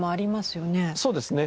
そうですね。